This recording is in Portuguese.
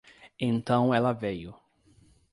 Então ela veio.